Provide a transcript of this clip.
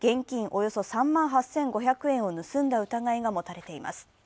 およそ３万８５００円を盗んだ疑いが持たれています。